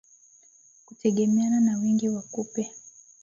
Kutegemeana na wingi wa kupe